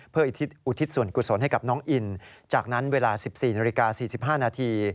เพื่ออุทิศส่วนกุศลให้กับน้องอินจากนั้นเวลา๑๔นาฬิกา๔๕นาที